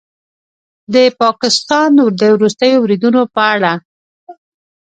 د پاکستان د وروستیو بریدونو په اړه